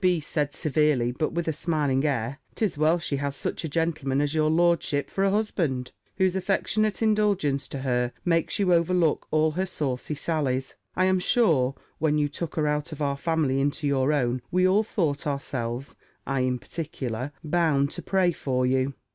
B. said severely, but with a smiling air, "'Tis well she has such a gentleman as your lordship for a husband, whose affectionate indulgence to her makes you overlook all her saucy sallies! I am sure, when you took her out of our family into your own, we all thought ourselves, I in particular, bound to pray for you."